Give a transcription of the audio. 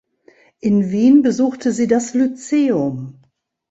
In Wien besuchte sie das Lyzeum.